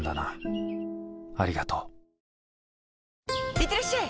いってらっしゃい！